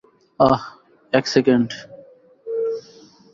আহ, এক সেকেন্ড।